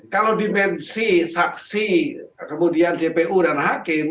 kalau dimensi saksi kemudian jpu dan hakim